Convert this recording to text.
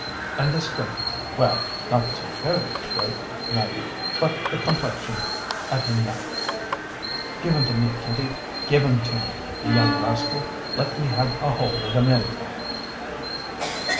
And the straight! Well, not so very straight neither, but the complexion at him now! Give him to me, Kitty! give him to me, the young rascal. Let me have a hould of him anyway."